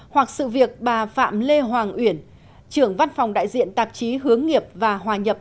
hoặc sự việc bà phạm lê hoàng uyển trưởng văn phòng đại diện tạp chí hướng nghiệp và hòa nhập